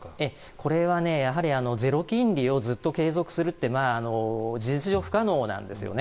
これはゼロ金利をずっと継続するって事実上、不可能なんですね。